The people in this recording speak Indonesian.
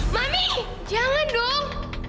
mami jangan dong